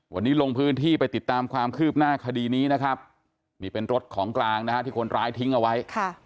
วันนี้ลงพื้นที่ไปติดตามความคืบหน้าคดีนี้นะครับนี่เป็นรถของกลางนะฮะที่คนร้ายทิ้งเอาไว้